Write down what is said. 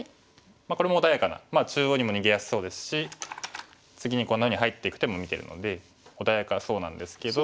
これも穏やかな中央にも逃げやすそうですし次にこんなふうに入っていく手も見てるので穏やかそうなんですけど。